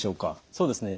そうですね。